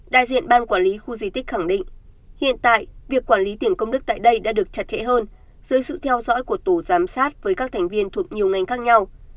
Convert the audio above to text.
đại diện ban quản lý khu di tích khẳng định hiện tại việc quản lý tiền công đức tại đây đã được chặt chẽ hơn dưới sự theo dõi của tổ giám sát với các thành viên thuộc nhiều ngành khác nhau